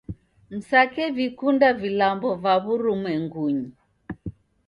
Msake vikunda vilambo va w'urumwengunyi